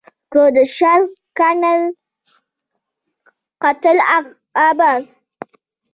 که د شل کلن «قتل العباد»